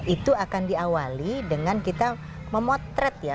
itu akan diawali dengan kita memotret ya